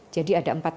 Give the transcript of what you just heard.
jadi ada empat bandara